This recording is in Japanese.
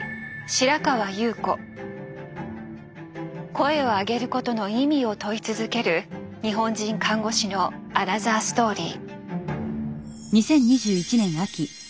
「声を上げる」ことの意味を問い続ける日本人看護師のアナザーストーリー。